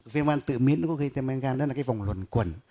viên quan tự miễn có gây tăng men gan đó là cái vòng luận quẩn